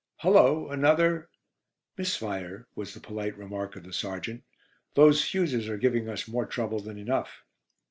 "Hullo, another " "Misfire," was the polite remark of the sergeant. "Those fuses are giving us more trouble than enough."